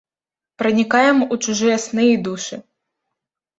Пранікаем ў чужыя сны і душы.